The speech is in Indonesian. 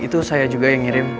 itu saya juga yang ngirim